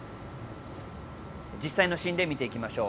実際のシーンで見ていきましょう。